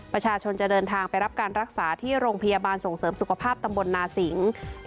ประชาชนจะเดินทางไปรับการรักษาที่โรงพยาบาลส่งเสริมสุขภาพตำบลนาสิงศ์